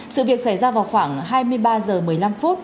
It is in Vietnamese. sự việc xảy ra vào khoảng hai mươi ba h một mươi năm phút